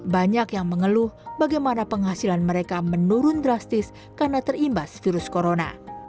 banyak yang mengeluh bagaimana penghasilan mereka menurun drastis karena terimbas virus corona